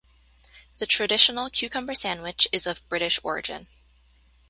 The traditional cucumber sandwich is of British origin.